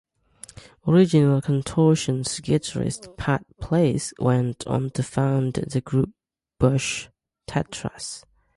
Original Contortions guitarist Pat Place went on to found the group Bush Tetras.